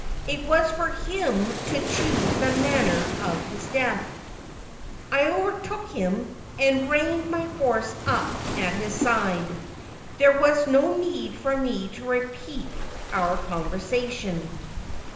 It was for him to choose the manner of his death. I overtook him, and reined my horse up at his side. There is no need for me to repeat our conversation.